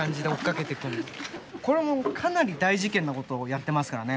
これもうかなり大事件なことをやってますからね